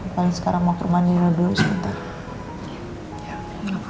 paling sekarang mau ke rumahnya dulu sebentar